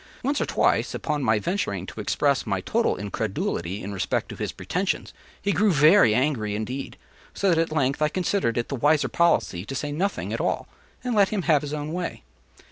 Once or twice, upon my venturing to express my total incredulity in respect to his pretensions, he grew very angry indeed, so that at length I considered it the wiser policy to say nothing at all, and let him have his own way.